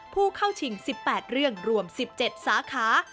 ผู้เข้าชิง๑๘เรื่องรวม๑๗สาขา